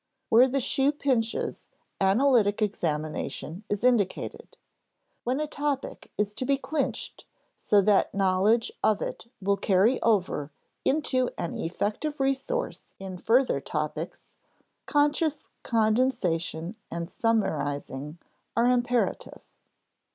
Where the shoe pinches, analytic examination is indicated. When a topic is to be clinched so that knowledge of it will carry over into an effective resource in further topics, conscious condensation and summarizing are imperative.